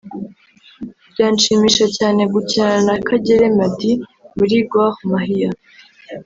byanshimisha cyane gukinana na Kagere Meddie muri Gor Mahia